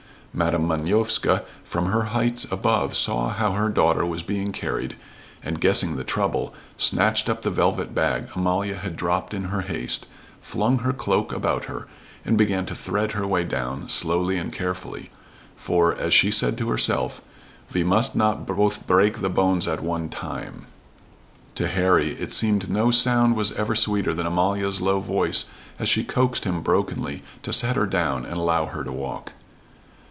Madam Manovska from her heights above saw how her daughter was being carried, and, guessing the trouble, snatched up the velvet bag Amalia had dropped in her haste, flung her cloak about her, and began to thread her way down, slowly and carefully; for, as she said to herself, "We must not both break the bones at one time." To Harry it seemed no sound was ever sweeter than Amalia's low voice as she coaxed him brokenly to set her down and allow her to walk.